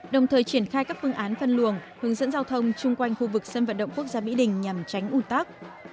đồng thời triển khai các phương án phân luồng hướng dẫn giao thông chung quanh khu vực sân vận động quốc gia mỹ đình nhằm tránh ủ tắc